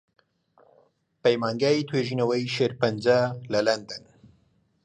پەیمانگای توێژینەوەی شێرپەنجە لە لەندەن